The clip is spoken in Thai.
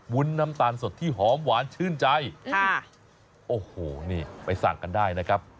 ุ้นน้ำตาลสดที่หอมหวานชื่นใจค่ะโอ้โหนี่ไปสั่งกันได้นะครับ